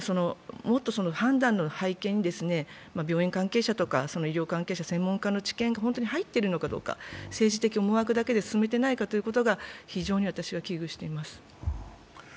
もっと判断の背景に病院関係者、医療関係者、専門家の知見、本当に入っているのかどうか、政治的思惑だけで進めていないかどうかを非常に私は危惧しています。